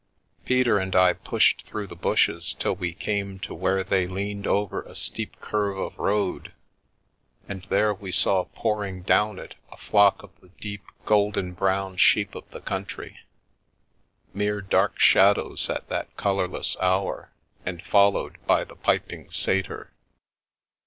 Peter and I pushed through the bushes till we came to where they leaned over a steep curve of road, and there we saw pouring down it a flock of the deep golden brown sheep of the country — mere dark shadows at that colourless hour, and followed by the piping satyr.